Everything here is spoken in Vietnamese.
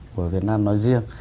của việt nam nói riêng